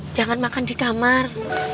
jangan makan di kamar